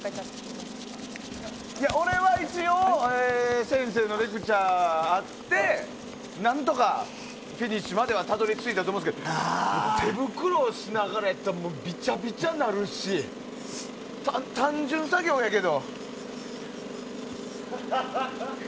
俺は一応先生のレクチャーあってなんとかフィニッシュまではたどり着いたと思うんですけど手袋しながらやからびちゃびちゃになるし単純作業やけど。